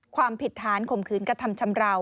ความผิดฐานข่มขืนกระทำชำราว